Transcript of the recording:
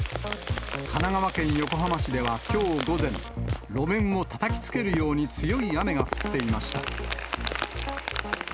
神奈川県横浜市では、きょう午前、路面をたたきつけるように強い雨が降っていました。